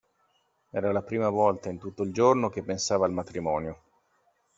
Era la prima volta in tutto il giorno che pensava al matrimonio.